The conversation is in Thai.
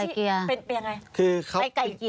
เกิดเป็นนะ